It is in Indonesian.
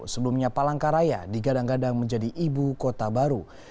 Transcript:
sebelumnya palangkaraya digadang gadang menjadi ibu kota baru